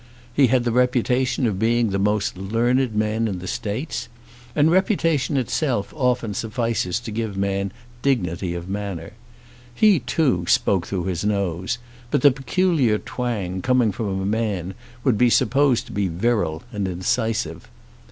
He had the reputation of being the most learned man in the States, and reputation itself often suffices to give a man dignity of manner. He, too, spoke through his nose, but the peculiar twang coming from a man would be supposed to be virile and incisive.